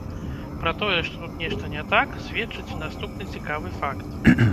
Пра тое, што тут нешта не так, сведчыць і наступны цікавы факт.